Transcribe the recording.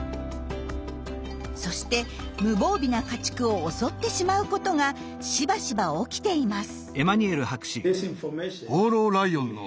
そして無防備な家畜を襲ってしまうことがしばしば起きています。